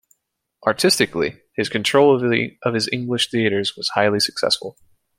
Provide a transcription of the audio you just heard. Artistically, his control of his English theatres was highly successful.